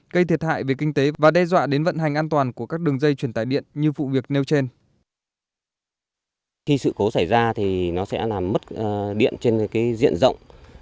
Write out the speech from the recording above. gây thiệt hại về kinh tế và đe dọa đến vận hành an toàn của các đường dây truyền tài điện như vụ việc nêu trên